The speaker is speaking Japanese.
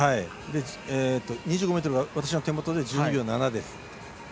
２５ｍは私の手元では１２秒７です。